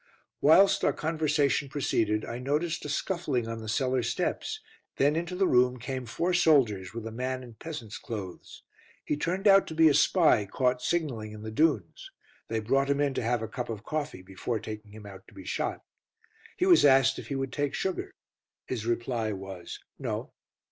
Whilst our conversation proceeded, I noticed a scuffling on the cellar steps, then into the room came four soldiers with a man in peasant's clothes. He turned out to be a spy caught signalling in the dunes. They brought him in to have a cup of coffee before taking him out to be shot. He was asked if he would take sugar; his reply was "No."